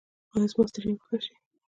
ایا زما ستړیا به ښه شي؟